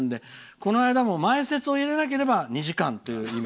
この間も前説を入れなければ２時間という。